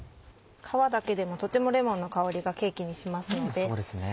皮だけでもとてもレモンの香りがケーキにしますので。